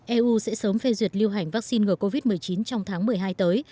eu sẽ sớm phê duyệt lưu hành vaccine ngừa covid một mươi chín trong tháng một mươi hai tới